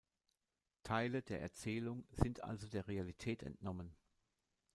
Teile der Erzählung sind also der Realität entnommen.